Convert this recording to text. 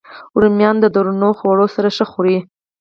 رومیان د درنو خوړو سره ښه خوري